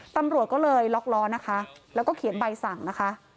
ตำรวจก็เลยล็อกล้อนะคะแล้วก็เขียนใบสั่งนะคะ